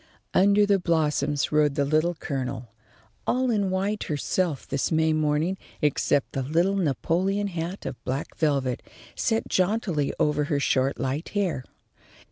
Under the blossoms rode the Little Colonel, all in white herself this May morning, except the little Napoleon hat of black velvet, set jauntily over her short light hair.